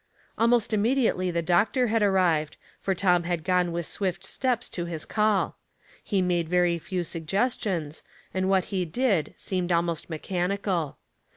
Almost immediately the doctor had arrived, for Tom had gone with swift steps to his call. He made very few suggestions, and what he did seemed almost mechanical.